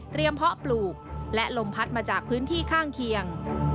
เพราะปลูกและลมพัดมาจากพื้นที่ข้างเคียง